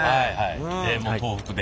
もう東北で。